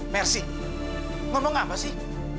merci ngomong apa sih